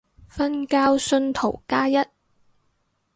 瞓覺信徒加一